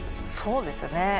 そうですね。